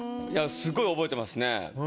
いやすごい覚えてますね。